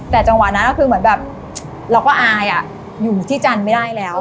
แต่จังหวะนั้นก็คือเหมือนแบบเราก็อายอยู่ที่จันทร์ไม่ได้แล้ว